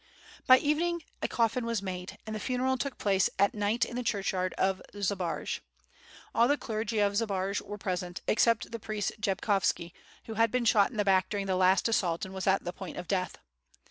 By evening a coffin was made, and the funeral took place at night in the churchyard of Zbaraj. All the clergy of Zbaraj were present, except the priest Jabkovski, who had been shot in the back during the last assault and was at the point of death.